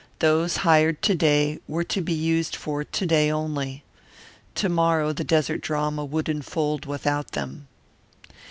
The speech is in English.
Those hired to day were to be used for to day only. Tomorrow the desert drama would unfold without them.